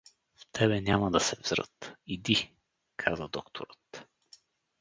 В тебе няма да се взрат, иди — каза докторът.